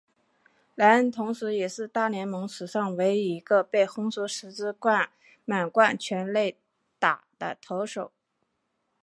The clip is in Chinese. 莱恩同时也是大联盟史上唯一一个被轰出十支满贯全垒打的投手。